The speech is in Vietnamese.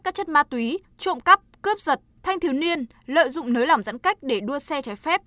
các chất ma túy trộm cắp cướp giật thanh thiếu niên lợi dụng nới lỏng giãn cách để đua xe trái phép